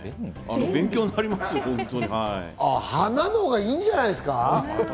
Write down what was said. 勉強になり花のほうがいいんじゃないですか？